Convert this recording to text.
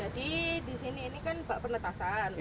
jadi di sini ini kan bak penetasan